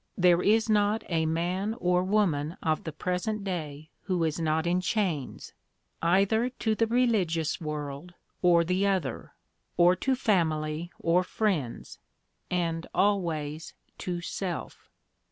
There is not a man or woman of the present day who is not in chains, either to the religious world or the other, or to family or friends, and always to self.